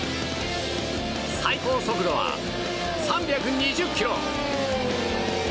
最高速度は３２０キロ。